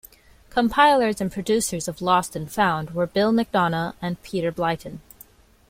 Compilers and producers of "Lost and Found" were Bill McDonough and Peter Blyton.